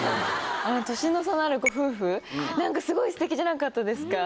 あの年の差のあるご夫婦何かすごいステキじゃなかったですか？